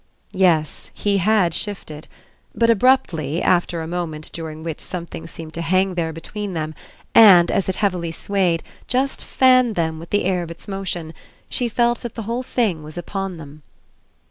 Yes, he had shifted; but abruptly, after a moment during which something seemed to hang there between them and, as it heavily swayed, just fan them with the air of its motion, she felt that the whole thing was upon them.